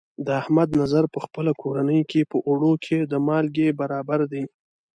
د احمد نظر په خپله کورنۍ کې، په اوړو کې د مالګې برابر دی.